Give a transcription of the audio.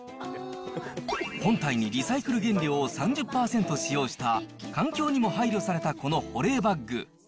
本体にリサイクル原料を３０％使用した、環境にも配慮されたこの保冷バッグ。